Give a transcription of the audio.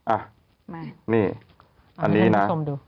อันนี้นะ